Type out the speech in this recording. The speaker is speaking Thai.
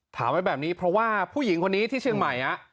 ถามให้แบบนี้เพราะผู้หญิงที่เชียงใหม่